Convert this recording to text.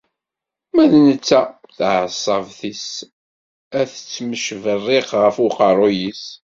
Ma d netta, taɛeṣṣabt-is ad tettmecberriq ɣef uqerru-s.